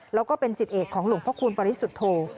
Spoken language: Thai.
แล้วก็เป็นสิทธิเอกของหลวงพระคุณปริสุทธโธ